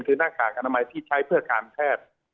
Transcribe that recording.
คือหน้ากากอนามัยที่ใช้เพื่อการแพทย์